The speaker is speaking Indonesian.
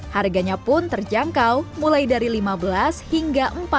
harganya pun terjangkau mulai dari lima belas hingga rp empat puluh